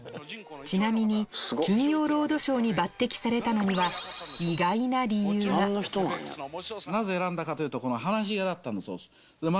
ちなみに『金曜ロードショー』に抜てきされたのにはなぜ選んだかというと。